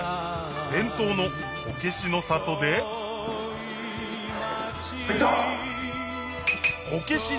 伝統のこけしの里で入った！